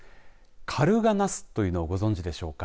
狩留家なすというのをご存じでしょうか。